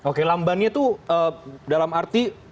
oke lambannya itu dalam arti